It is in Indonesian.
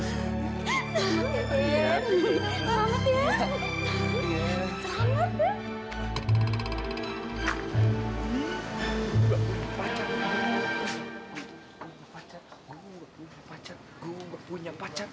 selamat ya de